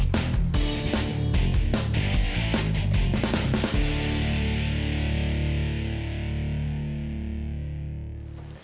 saya baik baik aja kok mas